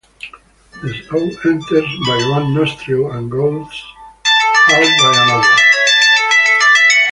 The soul enters by one nostril and goes out by another.